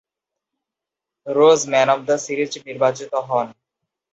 Rose man of the series নির্বাচিত হন।